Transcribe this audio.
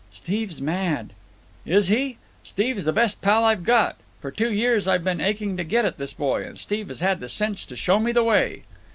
"Steve's mad!" "Is he? Steve's the best pal I've got. For two years I've been aching to get at this boy, and Steve has had the sense to show me the way."